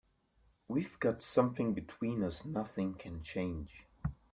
We've got something between us nothing can change.